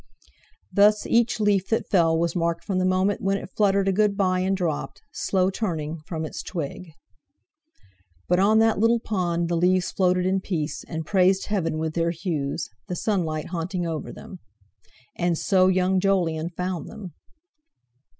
Thus each leaf that fell was marked from the moment when it fluttered a good bye and dropped, slow turning, from its twig. But on that little pond the leaves floated in peace, and praised Heaven with their hues, the sunlight haunting over them. And so young Jolyon found them.